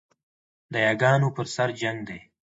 د یاګانو پر سر جنګ دی